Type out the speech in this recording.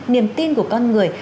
niềm tin của con người